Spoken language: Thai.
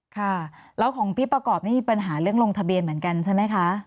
ค่ะแล้วของพี่ประกอบนี่มีปัญหาเรื่องลงทะเบียนเหมือนกันใช่ไหมคะ